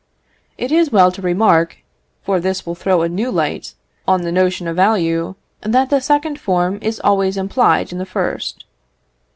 It is well to remark (for this will throw a new light on the notion of value) that the second form is always implied in the first.